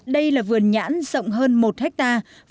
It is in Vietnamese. đây là vườn nhãn rộng hơn một hectare